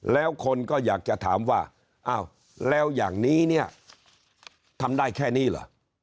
แล้วคนก็อยากจะถามว่าอ้าวแล้วอย่างนี้เนี่ยทำได้แค่นี้เหรอ